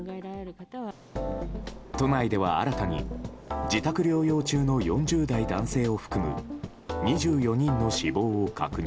都内では新たに自宅療養中の４０代男性を含む２４人の死亡を確認。